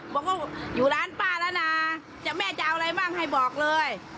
บอกว่าอยู่ร้านป้าแล้วนะแม่จะเอาอะไรบ้างให้บอกเลย